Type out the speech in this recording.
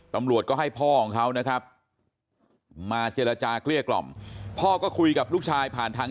ตำรวจก็ให้พ่อของเขานะครับมาเจรจาเกลี้ยกล่อมพ่อก็คุยกับลูกชายผ่านทาง